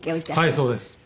はいそうです。